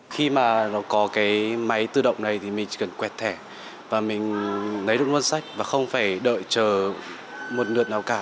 khi mà nó có cái máy tự động này thì mình chỉ cần quẹt thẻ và mình lấy đúng cuốn sách và không phải đợi chờ một lượt nào cả